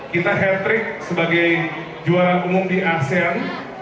kita hat trick sebagai juara umum di asean